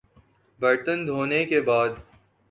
برتن دھونے کے بعد